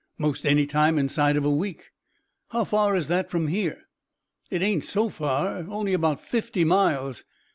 "'Most any time inside of a week." "How far is that from here?" "It ain't so far only about fifty miles."